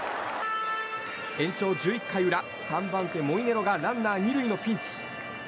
延長１１回裏３番手のモイネロがランナー２塁のピンチ。